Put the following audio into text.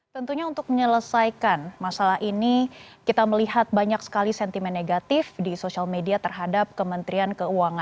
tentunya untuk menyelesaikan masalah ini kita melihat banyak sekali sentimen negatif di sosial media terhadap kementerian keuangan